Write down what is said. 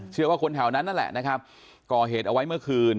ว่าคนแถวนั้นนั่นแหละนะครับก่อเหตุเอาไว้เมื่อคืน